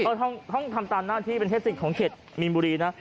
ต้องทำตามหน้าที่เป็นเทศกิจของเขตมีนบุรีนะ